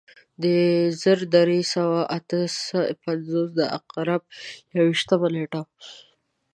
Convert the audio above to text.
د کال زر درې سوه اته پنځوس د عقرب یو ویشتمه نېټه وه.